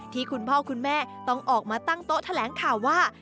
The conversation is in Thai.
คุณพ่อคุณแม่ต้องออกมาตั้งโต๊ะแถลงข่าวว่า